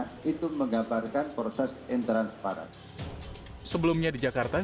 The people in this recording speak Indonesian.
kualisi masyarakat sipil